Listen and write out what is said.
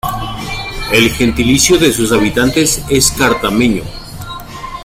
El gentilicio de sus habitantes es cartameño-a.